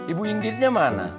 ibu ingetnya mana